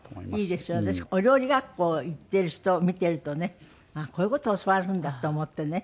私お料理学校行っている人を見ているとねこういう事を教わるんだと思ってね。